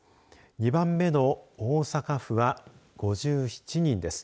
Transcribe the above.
２番目の大阪府は５７人です。